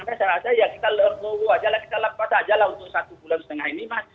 saya rasa ya kita lepas aja lah untuk satu bulan setengah ini mas